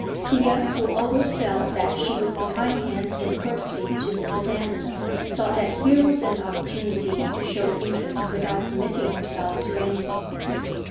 Thea, who always felt that she was behindhand in courtesy to Mrs. Andersen, thought that here was an opportunity to show interest without committing herself to anything.